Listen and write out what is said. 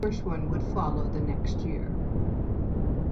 Gershwin would follow the next year.